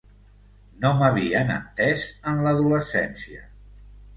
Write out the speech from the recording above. No m’havien entés en l’adolescència.